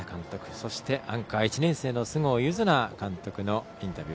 そして、アンカー１年生の須郷柚菜さんのインタビュー。